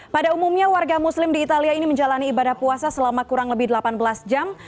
pada umumnya warga muslim di italia ini menjalani ibadah puasa selama kurang lebih delapan belas jam